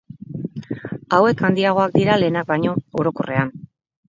Hauek handiagoak dira lehenak baino orokorrean.